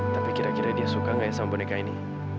tapi kira kira dia suka nggak sama boneka ini